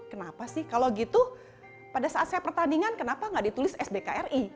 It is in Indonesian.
kenapa sih kalau gitu pada saat saya pertandingan kenapa nggak ditulis sdkri